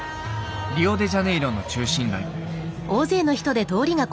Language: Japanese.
リオデジャネイロの中心街。